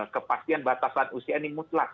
kepastian batasan usia ini mutlak